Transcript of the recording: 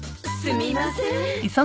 すみません。